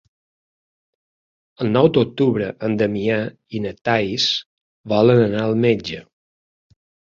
El nou d'octubre en Damià i na Thaís volen anar al metge.